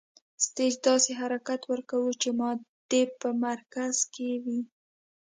سټیج داسې حرکت ورکوو چې ماده په مرکز کې وي.